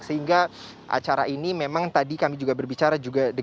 sehingga acara ini memang tadi kami juga berbicara